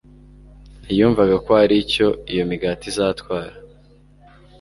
Ntiyumvaga ko hari icyo iyo migati izatwara